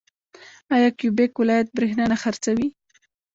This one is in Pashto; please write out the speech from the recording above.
آیا کیوبیک ولایت بریښنا نه خرڅوي؟